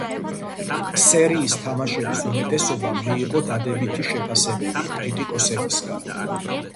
სერიის თამაშების უმეტესობამ მიიღო დადებითი შეფასებები კრიტიკოსებისგან.